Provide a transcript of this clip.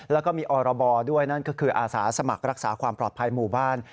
แล้วก็มีอรบด้วยนั่นก็คืออาสาสมัครรักษาความปลอดภัยหมู่บ้าน